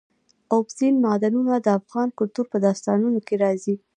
اوبزین معدنونه د افغان کلتور په داستانونو کې راځي.